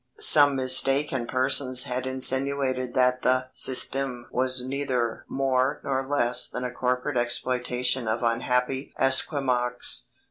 Some mistaken persons had insinuated that the Système was neither more nor less than a corporate exploitation of unhappy Esquimaux.